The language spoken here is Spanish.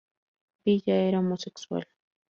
Villa era homosexual.